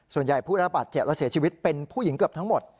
ผู้ระบาดเจ็บและเสียชีวิตเป็นผู้หญิงเกือบทั้งหมด